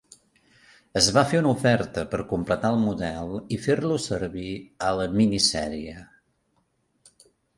Es va fer una oferta per completar el model i fer-lo servir a la minisèrie.